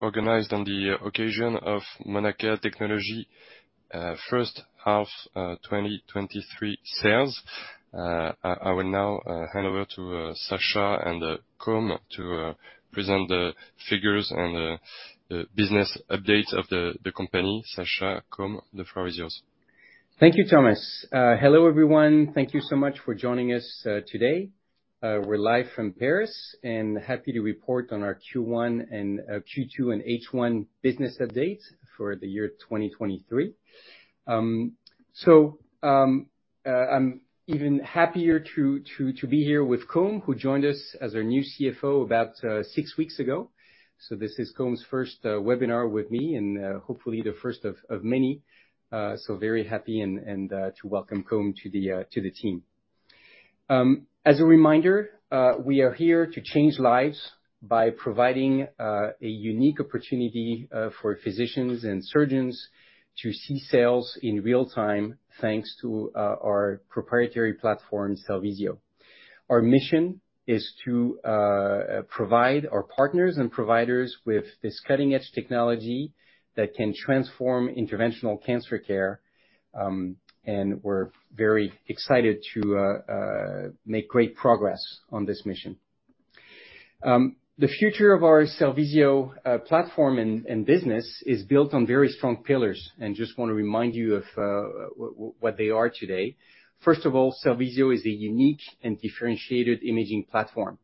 organized on the occasion of Mauna Kea Technologies, first half, 2023 sales. I will now hand over to Sacha and Côme to present the figures on the business updates of the company. Sacha, Côme, the floor is yours. Thank you, Thomas. Hello, everyone. Thank you so much for joining us today. We're live from Paris, happy to report on our Q1, Q2, and H1 business update for the year 2023. I'm even happier to be here with Côme, who joined us as our new CFO about 6 weeks ago. This is Côme's first webinar with me, and hopefully the first of many. Very happy to welcome Côme to the team. As a reminder, we are here to change lives by providing a unique opportunity for physicians and surgeons to see cells in real time, thanks to our proprietary platform, Cellvizio. Our mission is to provide our partners and providers with this cutting-edge technology that can transform interventional cancer care, and we're very excited to make great progress on this mission. The future of our Cellvizio platform and business is built on very strong pillars, and just want to remind you of what they are today. First of all, Cellvizio is a unique and differentiated imaging platform.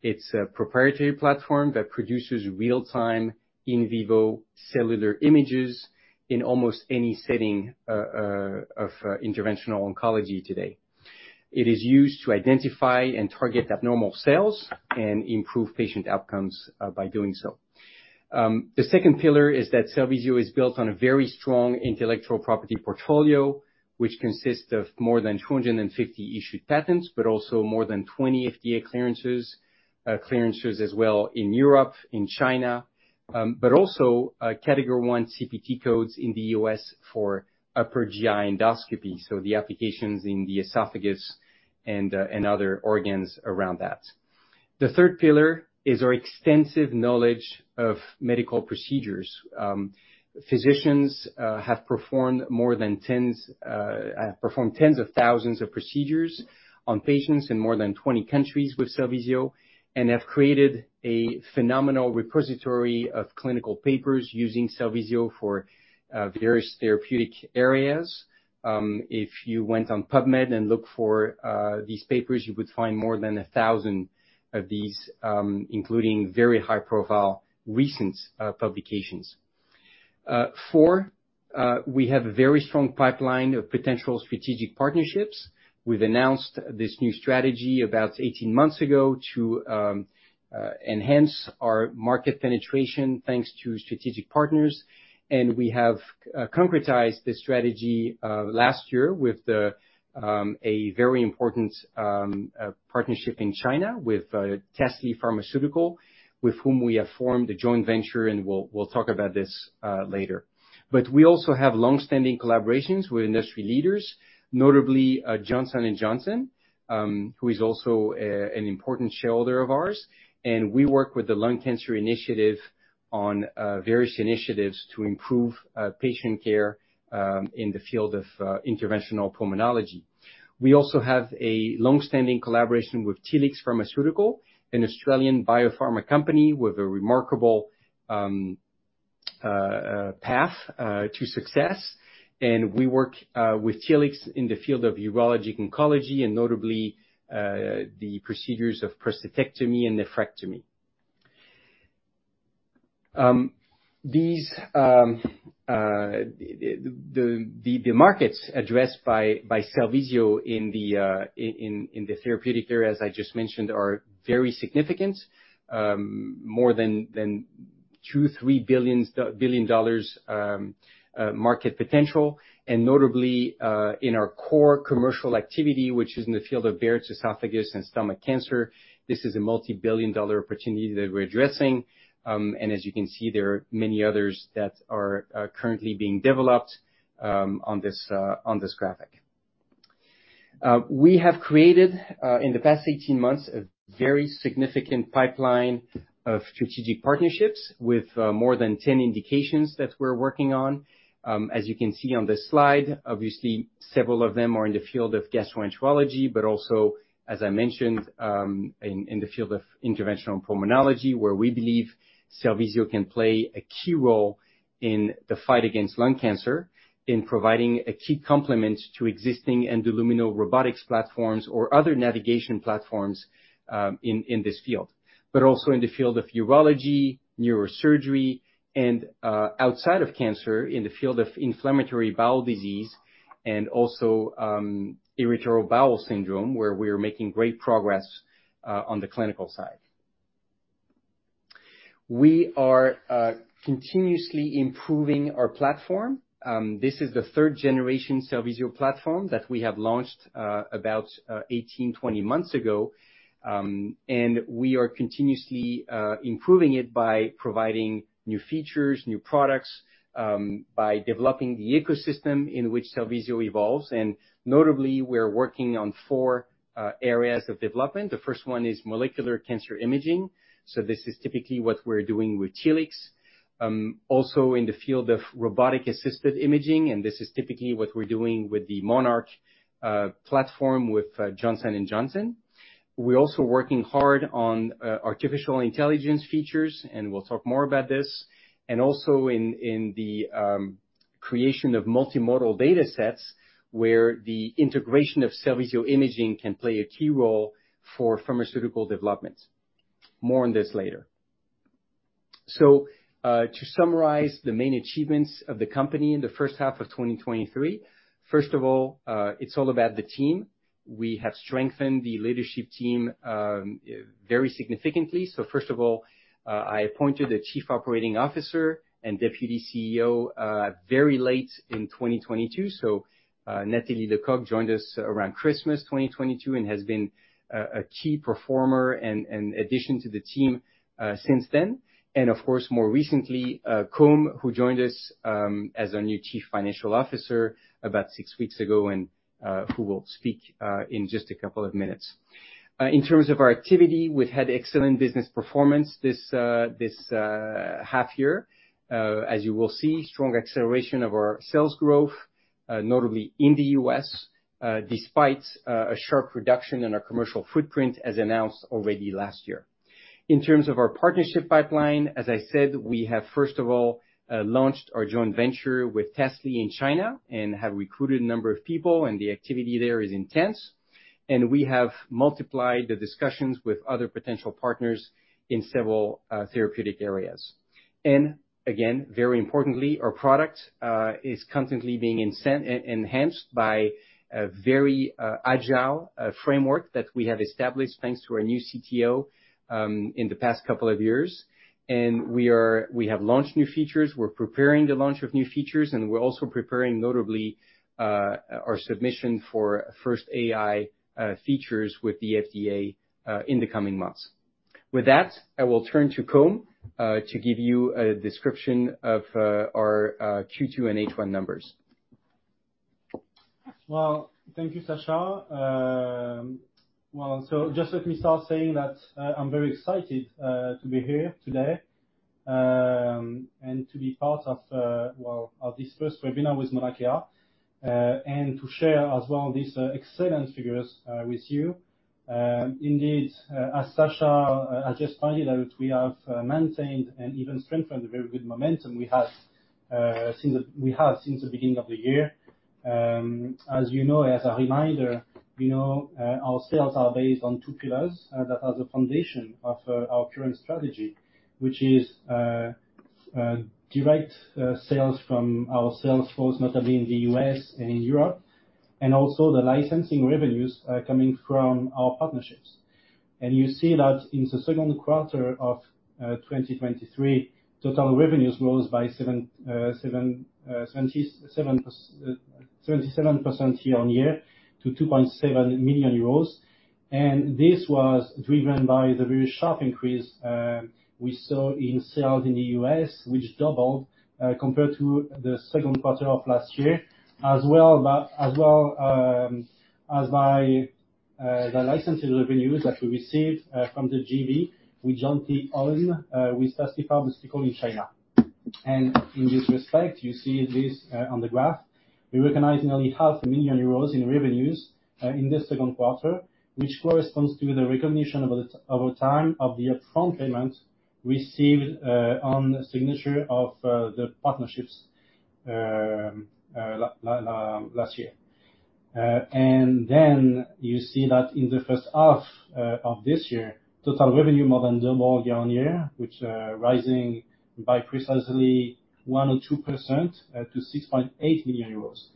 It's a proprietary platform that produces real-time, in vivo cellular images in almost any setting of interventional oncology today. It is used to identify and target abnormal cells and improve patient outcomes by doing so. The second pillar is that Cellvizio is built on a very strong intellectual property portfolio, which consists of more than 250 issued patents, but also more than 20 FDA clearances as well in Europe, in China, but also Category I CPT codes in the U.S. for upper GI endoscopy, so the applications in the esophagus and other organs around that. The third pillar is our extensive knowledge of medical procedures. Physicians have performed more than tens of thousands of procedures on patients in more than 20 countries with Cellvizio, and have created a phenomenal repository of clinical papers using Cellvizio for various therapeutic areas. If you went on PubMed and looked for these papers, you would find more than 1,000 of these, including very high-profile, recent publications. We have a very strong pipeline of potential strategic partnerships. We've announced this new strategy about 18 months ago to enhance our market penetration, thanks to strategic partners. We have concretized this strategy last year with a very important partnership in China with Tasly Pharmaceutical, with whom we have formed a joint venture, and we'll talk about this later. We also have long-standing collaborations with industry leaders, notably Johnson & Johnson, who is also an important shareholder of ours. We work with the Lung Cancer Initiative on various initiatives to improve patient care in the field of interventional pulmonology. We also have a long-standing collaboration with Telix Pharmaceuticals, an Australian biopharma company with a remarkable path to success. We work with Telix in the field of urologic oncology and notably, the procedures of prostatectomy and nephrectomy. These the markets addressed by Cellvizio in the therapeutic areas I just mentioned, are very significant. More than $2, 3 billion market potential. Notably, in our core commercial activity, which is in the field of Barrett's esophagus and stomach cancer, this is a multi-billion dollar opportunity that we're addressing. As you can see, there are many others that are currently being developed on this graphic. We have created in the past 18 months, a very significant pipeline of strategic partnerships with more than 10 indications that we're working on. As you can see on this slide, obviously, several of them are in the field of gastroenterology, but also, as I mentioned, in the field of interventional pulmonology, where we believe Cellvizio can play a key role in the fight against lung cancer, in providing a key complement to existing endoluminal robotics platforms or other navigation platforms, in this field. Also in the field of urology, neurosurgery, and outside of cancer, in the field of inflammatory bowel disease and also irritable bowel syndrome, where we are making great progress on the clinical side. We are continuously improving our platform. This is the third generation Cellvizio platform that we have launched about 18, 20 months ago. We are continuously improving it by providing new features, new products, by developing the ecosystem in which Cellvizio evolves. Notably, we're working on 4 areas of development. The first one is molecular cancer imaging, so this is typically what we're doing with Telix. Also in the field of robotic-assisted imaging, this is typically what we're doing with the Monarch platform with Johnson & Johnson. We're also working hard on artificial intelligence features, and we'll talk more about this. Also in the creation of multimodal data sets, where the integration of Cellvizio imaging can play a key role for pharmaceutical development. More on this later. To summarize the main achievements of the company in the first half of 2023, first of all, it's all about the team. We have strengthened the leadership team very significantly. First of all, I appointed a Chief Operating Officer and Deputy CEO very late in 2022. Nathalie Lecoq joined us around Christmas 2022 and has been a key performer and addition to the team since then, and of course, more recently, Côme, who joined us as our new Chief Financial Officer about 6 weeks ago and who will speak in just a couple of minutes. In terms of our activity, we've had excellent business performance this half year. As you will see, strong acceleration of our sales growth, notably in the US, despite a sharp reduction in our commercial footprint, as announced already last year. In terms of our partnership pipeline, as I said, we have, first of all, launched our joint venture with Tasly in China and have recruited a number of people, the activity there is intense. We have multiplied the discussions with other potential partners in several therapeutic areas. Again, very importantly, our product is constantly being enhanced by a very agile framework that we have established, thanks to our new CTO, in the past couple of years. We have launched new features, we're preparing the launch of new features, and we're also preparing, notably, our submission for first AI features with the FDA in the coming months. With that, I will turn to Côme to give you a description of our Q2 and H1 numbers. Well, thank you, Sacha. Well, just let me start saying that I'm very excited to be here today and to be part of, well, of this first webinar with Mauna Kea, and to share as well, these excellent figures with you. Indeed, as Sacha has just pointed out, we have maintained and even strengthened the very good momentum we have since the beginning of the year. As you know, as a reminder, our sales are based on two pillars that are the foundation of our current strategy, which is direct sales from our sales force, notably in the U.S. and in Europe, and also the licensing revenues coming from our partnerships. You see that in the second quarter of 2023, total revenues rose by 77% year on year to 2.7 million euros. This was driven by the very sharp increase we saw in sales in the US, which doubled compared to the second quarter of last year, as well that, as well, as by the licensing revenues that we received from the JV, we jointly own with Tasly Pharmaceutical in China. In this respect, you see this on the graph. We recognized nearly half a million EUR in revenues in this second quarter, which corresponds to the recognition over time of the upfront payment received on the signature of the partnerships last year. You see that in the first half of this year, total revenue more than doubled year-on-year, which rising by precisely 102%, to 6.8 million euros.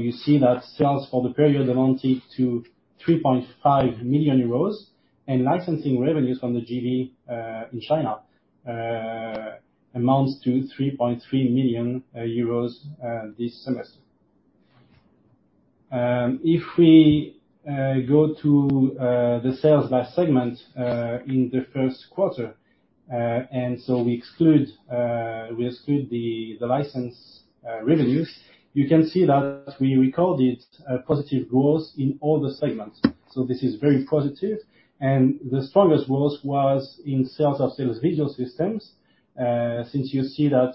You see that sales for the period amounted to 3.5 million euros, and licensing revenues from the JV in China amounts to 3.3 million euros this semester. If we go to the sales by segment in the first quarter, we exclude the license revenues, you can see that we recorded a positive growth in all the segments. This is very positive, and the strongest growth was in sales of Cellvizio systems. Since you see that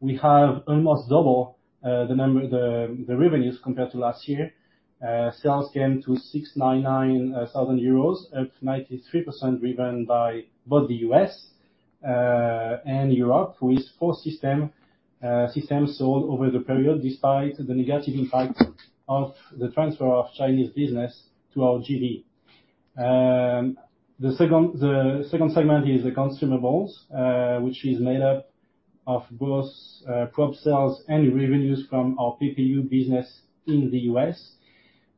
we have almost double the revenues compared to last year. Sales came to 699 thousand euros, at 93%, driven by both the U.S. and Europe, with 4 systems sold over the period, despite the negative impact of the transfer of Chinese business to our JV. The second segment is the consumables, which is made up of both probe cells and revenues from our PPU business in the U.S.,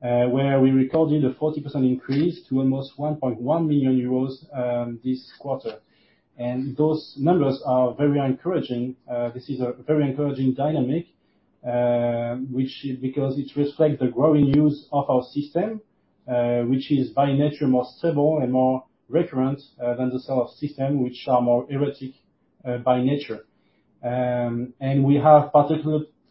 where we recorded a 40% increase to almost 1.1 million euros this quarter. Those numbers are very encouraging. This is a very encouraging dynamic, which because it reflects the growing use of our system, which is by nature, more stable and more recurrent, than the cell of system, which are more erratic, by nature. We have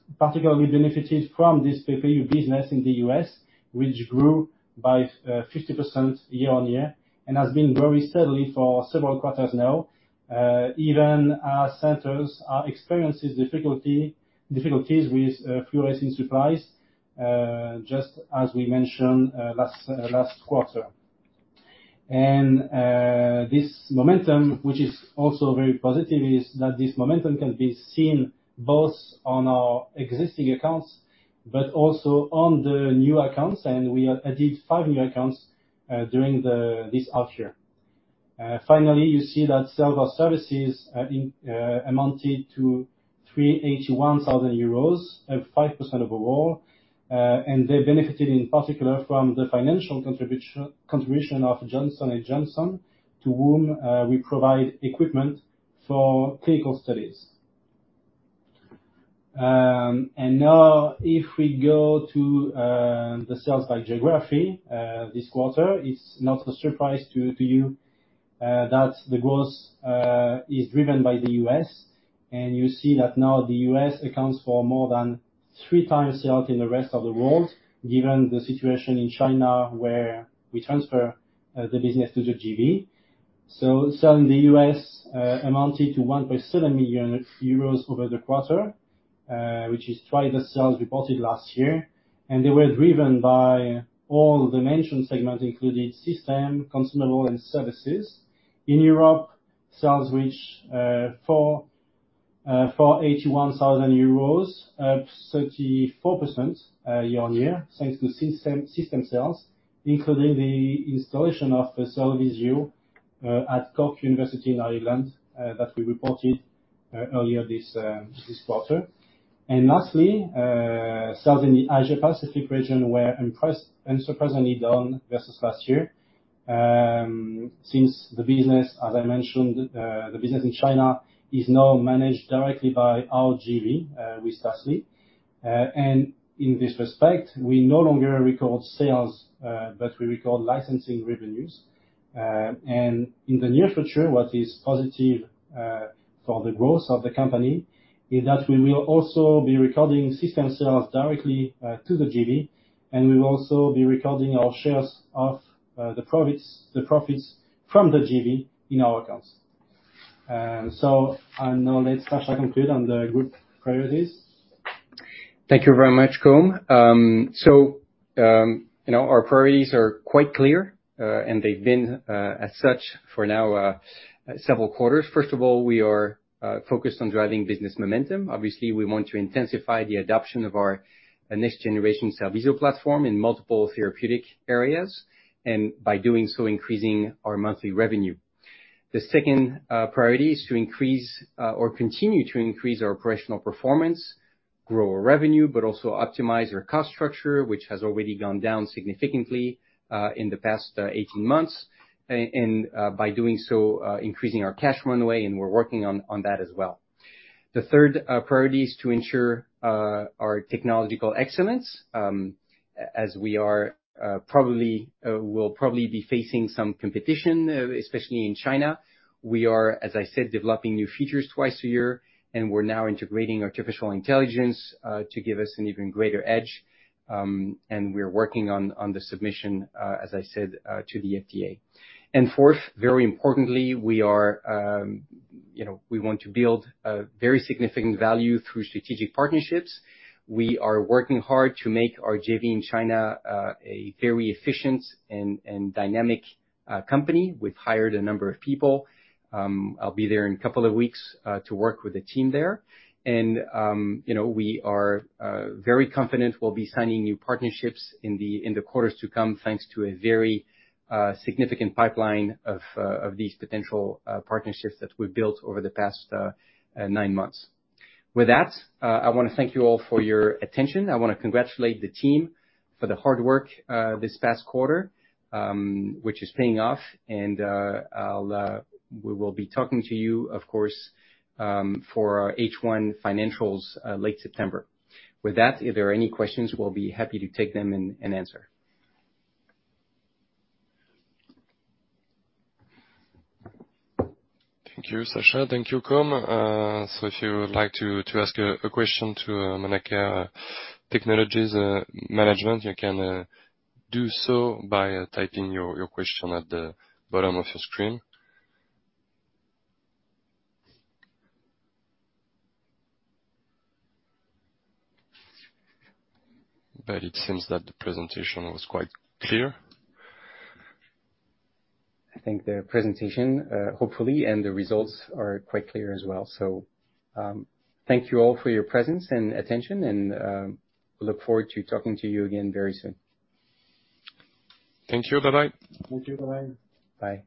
particularly benefited from this PPU business in the U.S., which grew by 50% year-on-year and has been growing steadily for several quarters now. Even our centers are experiencing difficulties with fluorescein supplies, just as we mentioned, last quarter. This momentum, which is also very positive, is that this momentum can be seen both on our existing accounts but also on the new accounts, and we have added five new accounts, during this half year. Finally, you see that Cellvizio services, in amounted to 381,000 euros, at 5% overall. They benefited in particular from the financial contribution of Johnson & Johnson, to whom, we provide equipment for clinical studies. Now, if we go to the sales by geography, this quarter, it's not a surprise to you, that the growth is driven by the U.S. You see that now the U.S. accounts for more than 3 times sales in the rest of the world, given the situation in China, where we transfer the business to the JV. Sales in the U.S. amounted to 1.7 million euros over the quarter, which is twice the sales we reported last year, and they were driven by all the mentioned segments, including system, consumable, and services. In Europe, sales reached 481,000 euros, up 34% year-on-year, thanks to system sales, including the installation of the Cellvizio at Cork University in Ireland, that we reported earlier this quarter. Lastly, sales in the Asia Pacific region were unsurprisingly down versus last year. Since the business, as I mentioned, the business in China is now managed directly by our JV with Tasly. In this respect, we no longer record sales, but we record licensing revenues. In the near future, what is positive for the growth of the company is that we will also be recording system sales directly to the JV, and we will also be recording our shares of the profits from the JV in our accounts. Let Sacha conclude on the group priorities. Thank you very much, Côme. you know, our priorities are quite clear, and they've been as such for now several quarters. First of all, we are focused on driving business momentum. Obviously, we want to intensify the adoption of our next generation Cellvizio platform in multiple therapeutic areas, and by doing so, increasing our monthly revenue. The second priority is to increase or continue to increase our operational performance, grow our revenue, but also optimize our cost structure, which has already gone down significantly in the past 18 months. by doing so, increasing our cash runway, and we're working on that as well. The third priority is to ensure our technological excellence, as we are probably will probably be facing some competition, especially in China. We are, as I said, developing new features twice a year, and we're now integrating artificial intelligence to give us an even greater edge. We're working on the submission, as I said, to the FDA. Fourth, very importantly, we are, you know, we want to build a very significant value through strategic partnerships. We are working hard to make our JV in China a very efficient and dynamic company. We've hired a number of people. I'll be there in a couple of weeks to work with the team there. You know, we are very confident we'll be signing new partnerships in the quarters to come, thanks to a very significant pipeline of these potential partnerships that we've built over the past 9 months. With that, I want to thank you all for your attention. I want to congratulate the team for the hard work, this past quarter, which is paying off. We will be talking to you, of course, for our H1 financials, late September. With that, if there are any questions, we'll be happy to take them and answer. Thank you, Sacha. Thank you, Côme. If you would like to ask a question to Mauna Kea Technologies management, you can do so by typing your question at the bottom of your screen. It seems that the presentation was quite clear. I think the presentation, hopefully, and the results are quite clear as well. Thank you all for your presence and attention, and, we look forward to talking to you again very soon. Thank you. Bye-bye. Thank you. Bye-bye. Bye.